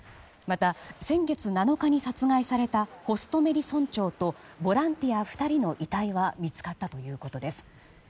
また、先月７日に殺害されたホストメリ村長とボランティア２人の遺体は見つかったということです。